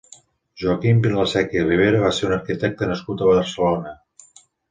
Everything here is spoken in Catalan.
Joaquim Vilaseca i Rivera va ser un arquitecte nascut a Barcelona.